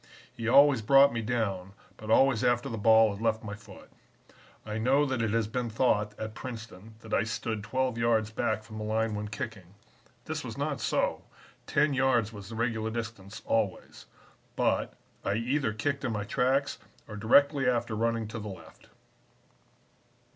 He always brought me down, but always after the ball had left my foot. I know that it has been thought at Princeton that I stood twelve yards back from the line when kicking. This was not so. Ten yards was the regular distance, always. But, I either kicked in my tracks or directly after running to the left."